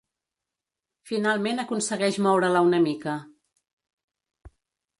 Finalment aconsegueix moure-la una mica.